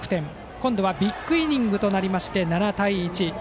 今度はビッグイニングとなり７対１。